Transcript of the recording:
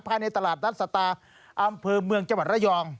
ภายในตลาดนัดสตาอำเภอเมืองจังหวัดระยอง